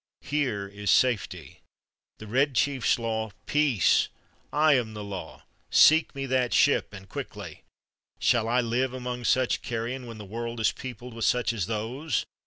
Here is safety. The Red Chief's law " "Peace! I am the law! Seek me that ship and quickly. Shall I live among such carrion, when the world is peopled with such as those?"